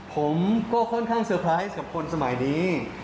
ผมก็ค่อนข้างเซอร์ไพรส์กับคนสมัยนี้